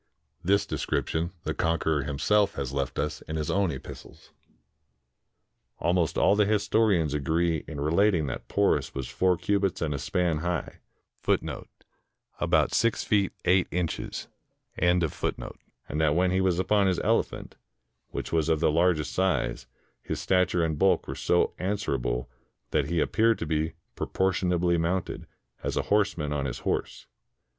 This description the conqueror himself has left us in his own epistles. Almost all the historians agree in relating that Poms was four cubits and a span ^ high, and that when he was upon his elephant, which was of the largest size, his stature and bulk were so answerable, that he appeared to be proportionably mounted, as a horseman on his horse.